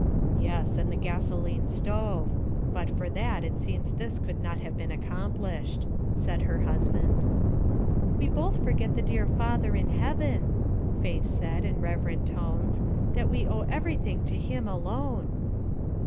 "Yes, and the gasoline stove; but for that it seems this could not have been accomplished," said her husband. "We both forget the dear Father in heaven," Faith said, in reverent tones, "that we owe everything to him alone."